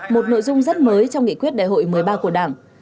một nội dung rất mới trong nghị quyết đại hội một mươi ba của đảng